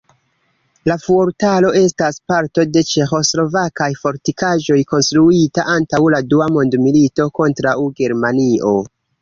La fuortaro estas parto de ĉeĥoslovakaj fortikaĵoj konstruita antaŭ la dua mondmilito kontraŭ Germanio.